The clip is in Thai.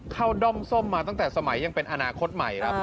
ด้อมส้มมาตั้งแต่สมัยยังเป็นอนาคตใหม่ครับ